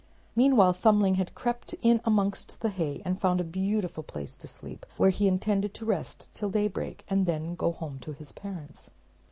Meanwhile Thumbling had crept in amongst the hay, and found a beautiful place to sleep, where he intended to rest till daybreak, and then to go home to his parents.